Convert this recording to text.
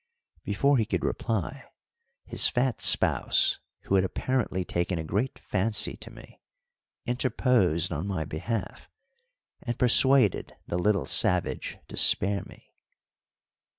Before he could reply, his fat spouse, who had apparently taken a great fancy to me, interposed on my behalf, and persuaded the little savage to spare me.